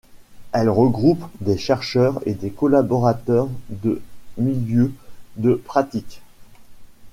Elle regroupe des chercheurs et des collaborateurs de milieux de pratique.